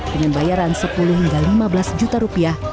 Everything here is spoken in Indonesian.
dengan bayaran sepuluh hingga lima belas juta rupiah